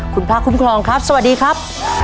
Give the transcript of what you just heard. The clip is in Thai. คุณพระคุ้มครองครับสวัสดีครับ